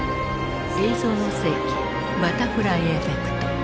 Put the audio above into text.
「映像の世紀バタフライエフェクト」。